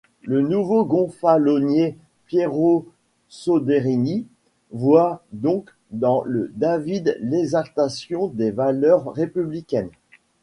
Le nouveau gonfalonier, Piero Soderini, voit donc dans le David l'exaltation des valeurs républicaines.